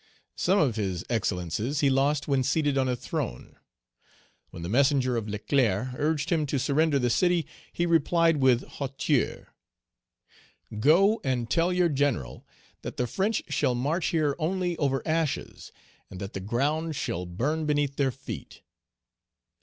Some of his excellences he lost when seated on a throne. When the messenger of Leclerc urged him to surrender the city, he replied with hauteur, "Go and tell your General that the French shall march here only over ashes, and that the ground shall burn beneath their feet."